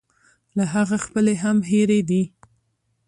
له هغه خپلې هم هېرې دي.